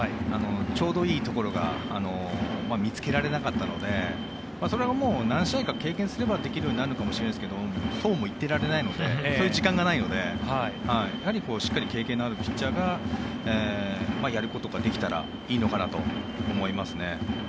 ちょうどいいところが見つけられなかったのでそれは何試合か経験すればできるようになるかもしれないんですがそうも言っていられないのでそういう時間がないのでしっかり経験のあるピッチャーがやることができたらいいのかなと思いますね。